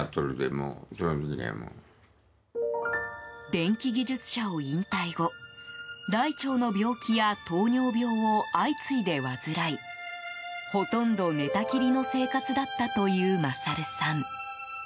電気技術者を引退後大腸の病気や糖尿病を相次いで患いほとんど寝たきりの生活だったという勝さん。